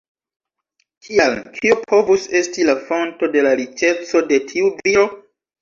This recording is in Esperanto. Tial, kio povus esti la fonto de la riĉeco de tiu viro?